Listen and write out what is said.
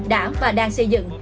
đã và đang xây dựng